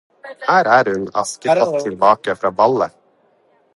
Her er hun, Askepott tilbake fra ballet